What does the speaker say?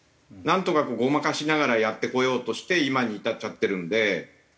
なんとか誤魔化しながらやってこようとして今に至っちゃってるんで。